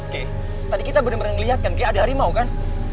kei tadi kita benar benar melihatkan kei ada harimau kan